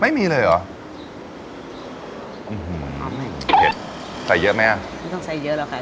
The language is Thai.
ไม่มีเลยเหรออื้อหูน้ำหน่อยเผ็ดใส่เยอะไหมไม่ต้องใส่เยอะหรอกค่ะ